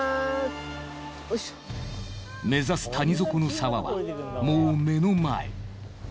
目指す谷底の沢はもう目の前。